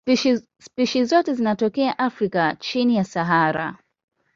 Spishi zote zinatokea Afrika chini ya Sahara.